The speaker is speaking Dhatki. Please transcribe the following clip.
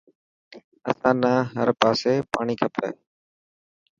اسان نا هر پاسي پاڻي کپي.